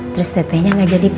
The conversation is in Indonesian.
terus tetehnya nggak jadi pesan